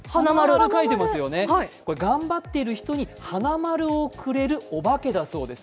頑張っている人にはなまるをくれるお化けなんだそうです。